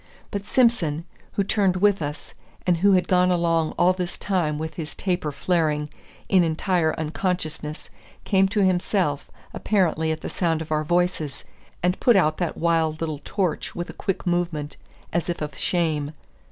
But Simson, who turned with us, and who had gone along all this time with his taper flaring, in entire unconsciousness, came to himself, apparently at the sound of our voices, and put out that wild little torch with a quick movement, as if of shame.